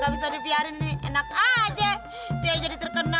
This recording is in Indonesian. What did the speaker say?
pak pak pak pak